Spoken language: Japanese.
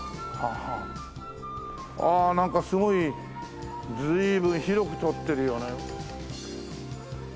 ああなんかすごい随分広く取ってるよね。